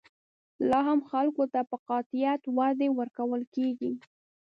لا هم خلکو ته په قاطعیت وعدې ورکول کېږي.